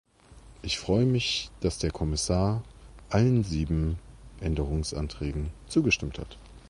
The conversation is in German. Ich freue mich, dass der Kommissar allen sieben Abänderungsanträgen zugestimmt hat.